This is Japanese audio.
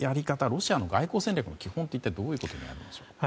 ロシアの外交戦略の基本はどういうところにあるんでしょうか。